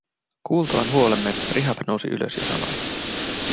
Kuultuaan huolemme Rihab nousi ylös ja sanoi: